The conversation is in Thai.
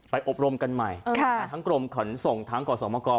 อบรมกันใหม่ทั้งกรมขนส่งทั้งขอสมกร